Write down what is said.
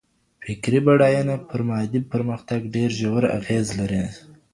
فکري بډاينه پر مادي پرمختګ ډېر ژور اغېز لري.